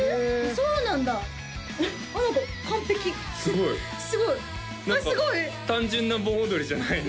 そうなんだあっ何か完璧すごいあっすごい何か単純な盆踊りじゃないね